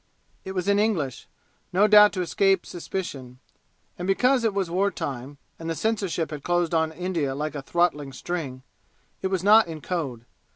It was in English, no doubt to escape suspicion; and because it was war time, and the censorship had closed on India like a throttling string, it was not in code.